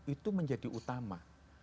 itu menjadi utama